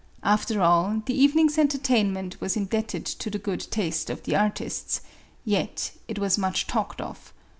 After all, the evening's entertainment was indebted to the good taste of the artists ; yet it was much talked of.